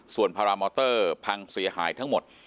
ส่วนพารามอเตอร์พังเสียหายทั้งหมด